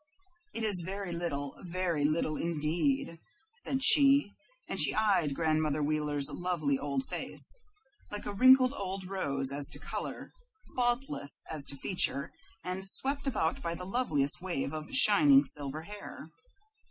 "It is very little, very little indeed," said she, and she eyed Grandmother Wheeler's lovely old face, like a wrinkled old rose as to color, faultless as to feature, and swept about by the loveliest waves of shining silver hair.